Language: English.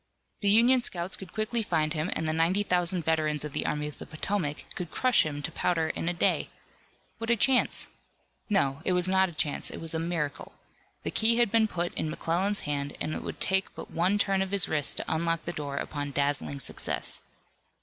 The Union scouts could quickly find him and the ninety thousand veterans of the Army of the Potomac could crush him to powder in a day. What a chance! No, it was not a chance. It was a miracle. The key had been put in McClellan's hand and it would take but one turn of his wrist to unlock the door upon dazzling success.